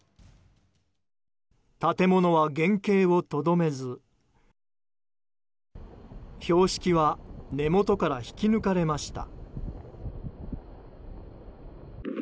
建物は原形をとどめず標識は根元から引き抜かれました。